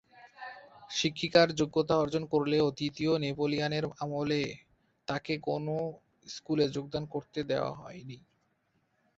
শিক্ষিকার যোগ্যতা অর্জন করলেও তৃতীয় নেপোলিয়নের আমলে তাকে কোনো স্কুলে যোগদান করতে দেওয়া হয়নি।